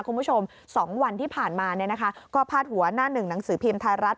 คุณผู้ชม๒วันที่ผ่านมาเนี่ยนะคะก็พาดหัวหน้าหนึ่งหนังสือพิมพ์ไทยรัฐ